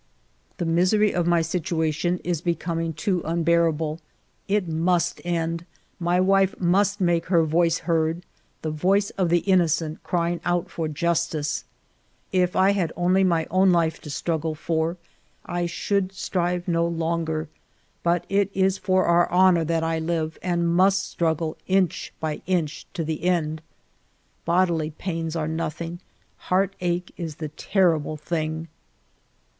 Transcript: The misery of my situation is becoming too unbearable. It must end ! My wife must make her voice heard, — the voice of the innocent crying out for justice. If I had only my own life to struggle for, I should strive no longer ; but it is for our honor ALFRED DREYFUS 169 that I live and must struggle inch by inch to the end. Bodily pains are nothing; heart ache is the terrible thing.